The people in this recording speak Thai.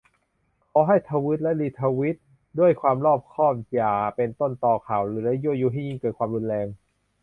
ขอให้ทวีต และ รีทวีต ด้วยความรอบคอบ อย่าเป็นต้นตอข่าวลือ และยั่วยุให้ยิ่งเกิดความรุนแรง